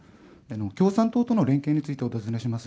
共産党との連携についてお尋ねします。